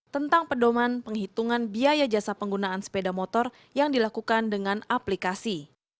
tentang pedoman penghitungan biaya jasa penggunaan sepeda motor yang dilakukan dengan aplikasi